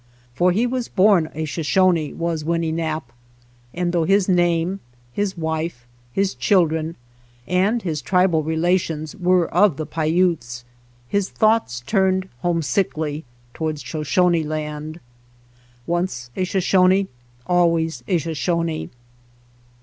For he wa'S born a Shoshone, was Winnenap'; and though his name, his wife, his children, and his tribal relations were of the Paiutes, his thoughts turned homesickly toward Shoshone Land. Once a Shoshone always a Shoshone.